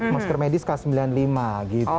masker medis k sembilan puluh lima gitu